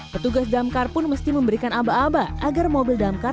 petugas damkar pun mesti memberikan aba aba agar mobil damkar